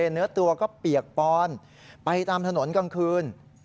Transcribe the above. เนื้อตัวก็เปียกปอนไปตามถนนกลางคืน